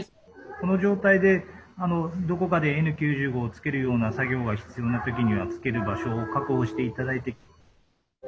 この状態でどこかでＮ９５をつけるような作業が必要な時にはつける場所を確保して頂いて。